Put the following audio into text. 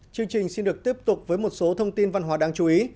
chương trình xin được tiếp tục với một số thông tin văn hóa đáng chú ý